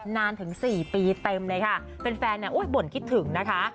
นานถึง๔ปีเต็มเลยค่ะแฟนบ่นคิดถึงนะคะ